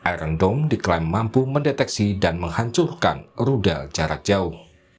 iron dome diklaim mampu mendeteksi dan menghancurkan rudal jarak jauh